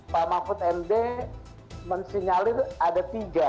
pak mahfud md mensinyalir ada tiga